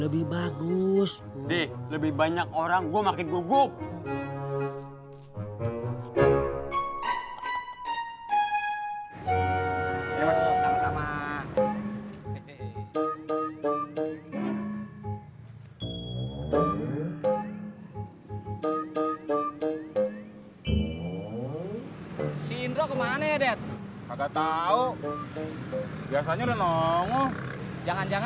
belum buka puasa maksudnya bang